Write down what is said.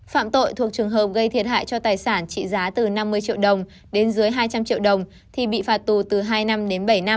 phạm tội thuộc trường hợp gây thiệt hại cho tài sản trị giá từ năm mươi triệu đồng đến dưới hai trăm linh triệu đồng thì bị phạt tù từ hai năm đến bảy năm